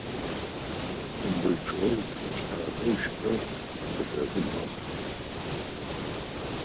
Къумбыл чъыг зэфэшъхьафхэу щыӏэр бэ дэдэ мэхъу.